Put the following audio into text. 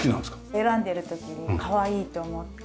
選んでる時にかわいいと思って。